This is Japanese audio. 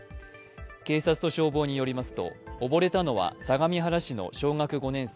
警察と消防によりますと溺れたのは相模原市の小学５年生